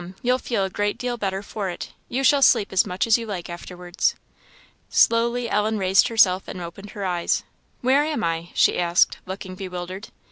you'll feel a great deal better for it you shall sleep as much as you like afterwards." Slowly Ellen raised herself, and opened her eyes. "Where am I?" she asked looking bewildered.